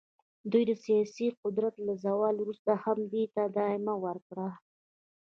دوی د سیاسي قدرت له زوال وروسته هم دې ته ادامه ورکړه.